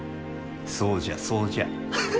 そうじゃそうじゃ。